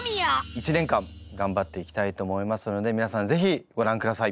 １年間頑張っていきたいと思いますので皆さんぜひご覧ください。